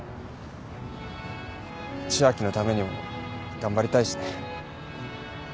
千明のためにも頑張りたいしね。